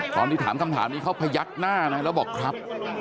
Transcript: ตอนที่ถามคำถามนี้เขาพยักหน้านะแล้วบอกครับ